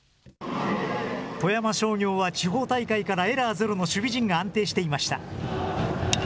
富山商業は地方大会からエラーゼロの守備陣が安定していました。